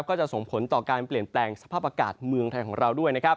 ก็จะส่งผลต่อการเปลี่ยนแปลงสภาพอากาศเมืองไทยของเราด้วยนะครับ